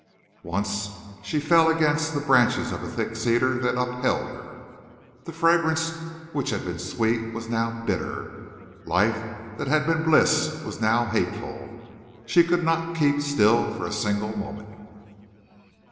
Once she fell against the branches of a thick cedar that upheld her. The fragrance which had been sweet was now bitter. Life that had been bliss was now hateful! She could not keep still for a single moment.